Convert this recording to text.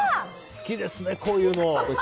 好きですねこういうの。